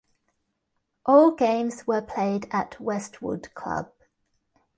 All games were played at Westwood Club.